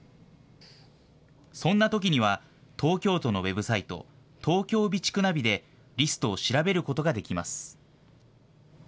そんなときには東京都のウェブサイト東京備蓄ナビでリストを調べることができます。